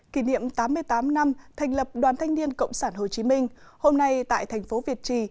kỷ niệm tám mươi tám năm thành lập đoàn thanh niên cộng sản hồ chí minh hôm nay tại thành phố việt trì